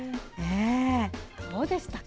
どうでしたか？